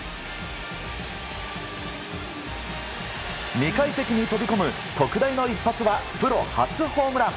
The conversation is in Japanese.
２階席に飛び込む特大の一発はプロ初ホームラン！